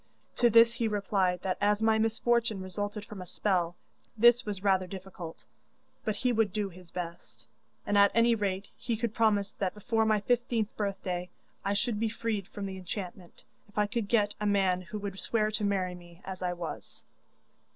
To this he replied that as my misfortune resulted from a spell, this was rather difficult, but he would do his best, and at any rate he could promise that before my fifteenth birthday I should be freed from the enchantment if I could get a man who would swear to marry me as I was.